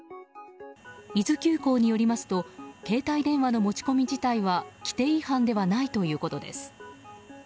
伊豆急行によりますと携帯電話の持ち込み自体は規定違反ではないということです。